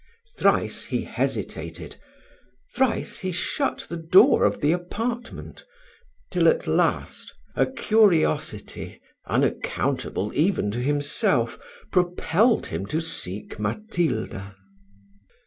Thrice he hesitated thrice he shut the door of the apartment; till at last, a curiosity, unaccountable even to himself, propelled him to seek Matilda.